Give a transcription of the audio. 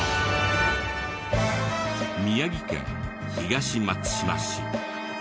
宮城県東松島市。